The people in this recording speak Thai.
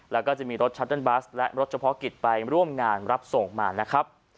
แล้วก็จะมีรถชัตเติ้บัสและรถเฉพาะกิจไปร่วมงานรับส่งมานะครับ